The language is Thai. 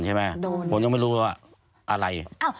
ผมยังไม่รู้ว่าอะไร